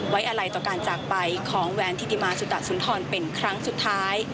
ไว้อะไรต่อการจากไปของแวนธิติมาสุตะสุนทรเป็นครั้งสุดท้าย